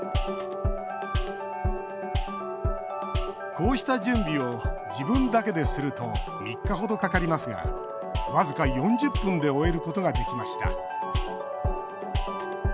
こうした準備を自分だけですると３日程かかりますが僅か４０分で終えることができました。